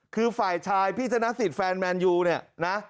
คือฝ่ายชายพี่ธนสิทธิแฟนแมนยูเนี่ยนะ